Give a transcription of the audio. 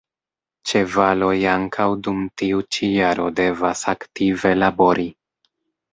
Ĉevaloj ankaŭ dum tiu ĉi jaro devas aktive labori.